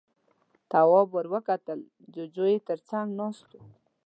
تواب ور وکتل، جُوجُو يې تر څنګ ناست و.